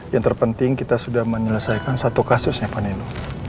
yang terpenting kita sudah menyelesaikan satu kasusnya pak nino